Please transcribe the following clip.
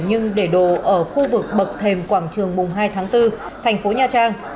nhưng để đồ ở khu vực bậc thềm quảng trường mùng hai tháng bốn thành phố nha trang